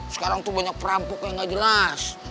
sekarang tuh banyak perampok yang nggak jelas